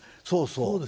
そうそう。